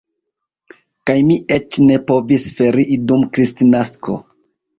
Kaj mi eĉ ne povis ferii dum Kristnasko.